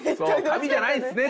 紙じゃないんですね。